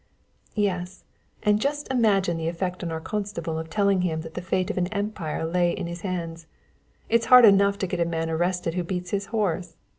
"Yes; and just imagine the effect on our constable of telling him that the fate of an empire lay in his hands. It's hard enough to get a man arrested who beats his horse.